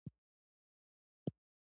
امن چاپېریال ذهني سکون زیاتوي.